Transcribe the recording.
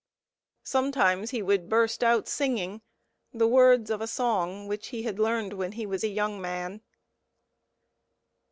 Sometimes he would burst out singing the words of a song which he had learned when he was a young man.